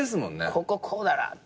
こここうだろうって。